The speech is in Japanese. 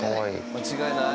間違いない。